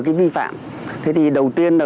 cái vi phạm thế thì đầu tiên là